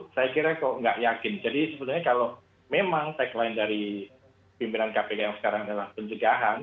saya kira kok nggak yakin jadi sebenarnya kalau memang tagline dari pimpinan kpk yang sekarang adalah pencegahan